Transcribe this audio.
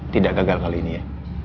tidak gagal kali ini ya